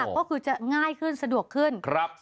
ก็คือจะง่ายขึ้นสะดวกขึ้น